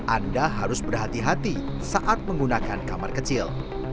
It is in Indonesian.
anda harus berhati hati saat menggunakan kamar kecil